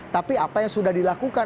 tapi apa yang sudah dilakukan